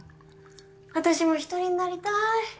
私も一人になりたーい。